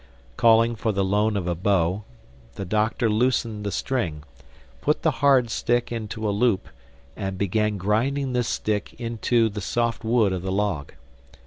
Calling for the loan of a bow, the Doctor loosened the string, put the hard stick into a loop and began grinding this stick into the soft wood of the log.